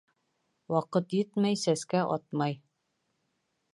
Ваҡыт етмәй сәскә атмай.